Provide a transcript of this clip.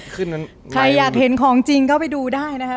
ใครอยากเห็นของจริงก็ไปดูได้นะครับ